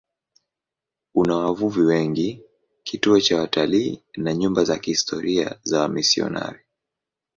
Una wavuvi wengi, kituo cha watalii na nyumba za kihistoria za wamisionari.